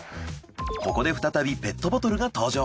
ここで再びペットボトルが登場。